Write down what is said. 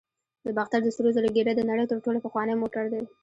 د باختر د سرو زرو ګېډۍ د نړۍ تر ټولو پخوانی موټر دی